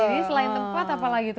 jadi selain tempat apalagi tuh